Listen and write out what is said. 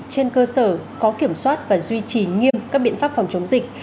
trên cơ sở có kiểm soát và duy trì nghiêm các biện pháp phòng chống dịch